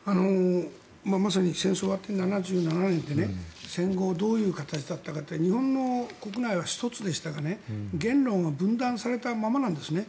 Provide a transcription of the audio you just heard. まさに戦争が終わって７７年で戦後どういう形だったか日本の国内は１つでしたが言論は分断されたままなんですね。